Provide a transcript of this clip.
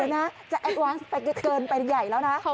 เดี๋ยวนะจะแอดวานซ์ไปเกินไปใหญ่แล้วนะ